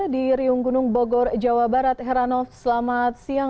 di riung gunung bogor jawa barat heranov selamat siang